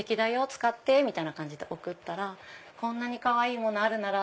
使って！って送ったら「こんなにかわいいものあるなら」